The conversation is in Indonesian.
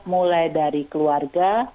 mulai dari keluarga